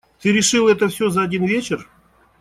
Ты решил это всё за один вечер?